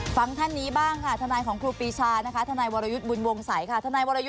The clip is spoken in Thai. สวัสดีค่ะสวัสดีครับคุณจองขวัญ